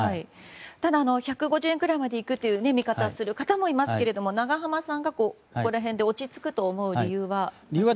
ただ１５０円くらいまで行くという見方をする方もいますが永濱さんが、ここら辺で落ち着くと思う理由は？